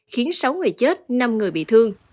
khiến sáu người chết năm người bị thương